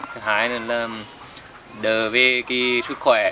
thứ hai là đỡ về cái sức khỏe